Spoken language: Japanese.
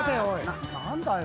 な何だよ。